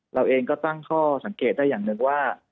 เราเองก็ตั้งข้อสังเกตได้อย่างหนึ่งว่า